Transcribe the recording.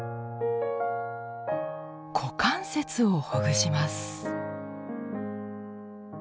股関節をほぐします。